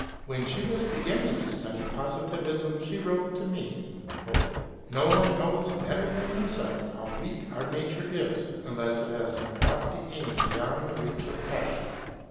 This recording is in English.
When she was beginning to study Positivism she wrote to me: 'No one knows better than myself how weak our nature is unless it has some lofty aim beyond the reach of passion'.